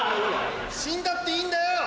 死んだっていいんだよ！